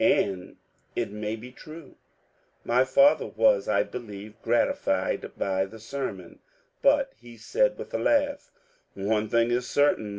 And it may be true." My father was, I believe, gratified by the ser mon, but he said, with a laugh, ^^ One thing is certain.